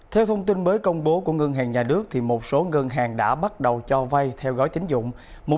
theo thông tin mới công bố của ngân hàng nhà nước một số ngân hàng đã bắt đầu cho vay theo gói tính dụng